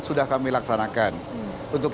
sudah kami laksanakan untuk